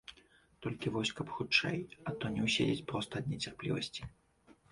Толькі вось каб хутчэй, а то не ўседзець проста ад нецярплівасці.